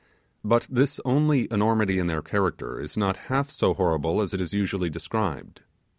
But this only enormity in their character is not half so horrible as it is usually described.